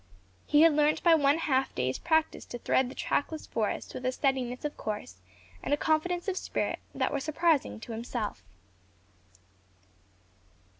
He had learnt by one half day's practice to thread the trackless forest with a steadiness of course and a confidence of spirit that were surprising to himself.